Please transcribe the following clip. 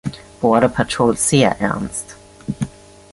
Border Patrol sehr ernst.